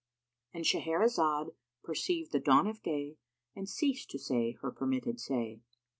"—And Shahrazad perceived the dawn of day and ceased to say her permitted say.